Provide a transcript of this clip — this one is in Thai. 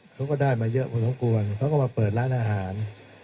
เขาก็ได้มาเยอะพอสมควรเขาก็มาเปิดร้านอาหาร